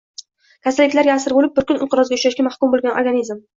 kasalliklarga asir bo‘lib, bir kun inqirozga uchrashga mahkum bo‘lgan organizm.